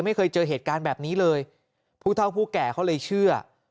ไม่เคยเจอเหตุการณ์แบบนี้เลยผู้เท่าผู้แก่เขาเลยเชื่อ